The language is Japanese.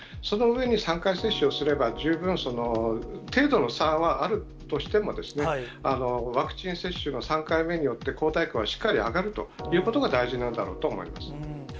そのうえに３回接種をすれば、十分程度の差はあるとしても、ワクチン接種の３回目によって、抗体価はしっかり上がるということが大事なんだろうと思います。